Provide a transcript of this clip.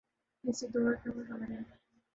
یہ اسی دور کا ثمر ہے۔